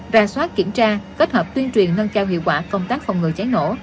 ra soát kiểm tra kết hợp tuyên truyền nâng cao hiệu quả công tác phòng ngừa cháy nổ